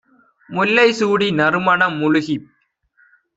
"முல்லை சூடி நறுமணம் முழுகிப்